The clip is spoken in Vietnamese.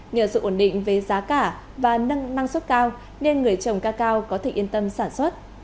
nhờ sự ổn định về giá cả và năng suất cao nên người trồng ca cao có thể yên tâm sản xuất